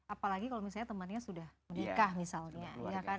apalagi kalau misalnya temannya sudah menikah misalnya